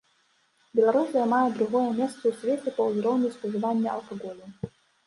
Беларусь займае другое месца ў свеце па ўзроўню спажывання алкаголю.